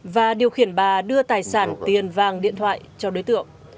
và điều khiển bà đưa tài sản tiền vàng điện thoại cho đối tượng